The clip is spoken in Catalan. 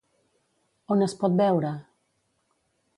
On es pot veure?